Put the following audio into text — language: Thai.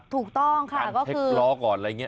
ถูกต้องค่ะอ่านว่าเช็คล้อก่อนอะไรอย่างนี้